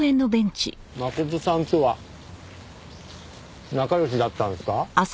真琴さんとは仲良しだったんですか？